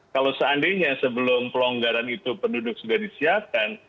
kalau seandainya sebelum pelonggaran itu penduduk sudah disiapkan